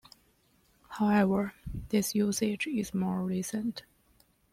However, this usage is more recent.